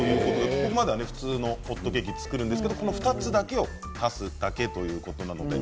ここまでは普通のホットケーキの作り方ですが下の２つを足すだけということです。